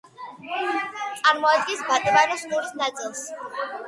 წარმოადგენს ბატაბანოს ყურის ნაწილს.